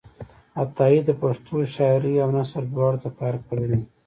عطایي د پښتو شاعرۍ او نثر دواړو ته کار کړی دی.